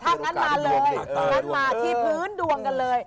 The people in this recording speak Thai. ถ้างั้นมาเลยคือที่พื้นดวงตามกันเลย